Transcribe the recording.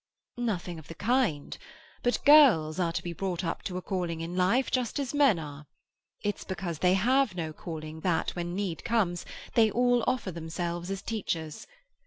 "Nothing of the kind. But girls are to be brought up to a calling in life, just as men are. It's because they have no calling that, when need comes, they all offer themselves as teachers.